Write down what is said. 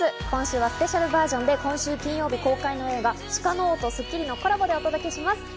今週はスペシャルバージョンで今週金曜日公開の映画『鹿の王』と『スッキリ』のコラボでお送りします。